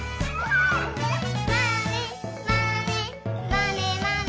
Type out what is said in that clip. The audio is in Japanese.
「まねまねまねまね」